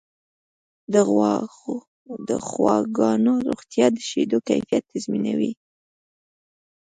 د غواګانو روغتیا د شیدو کیفیت تضمینوي.